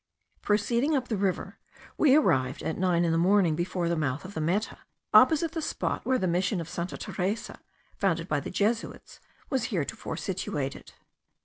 Proceeding up the river we arrived, at nine in the morning, before the mouth of the Meta, opposite the spot where the Mission of Santa Teresa, founded by the Jesuits, was heretofore situated.